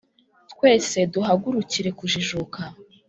Twese duhagurukire kujijuka